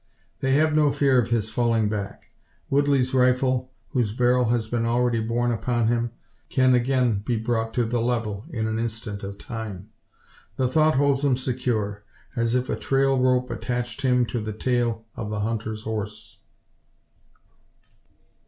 They have no fear of his falling back. Woodley's rifle, whose barrel has been already borne upon him, can be again brought to the level in an instant of time. The thought holds him secure, as if a trail rope attached him to the tail of the hunter's horse.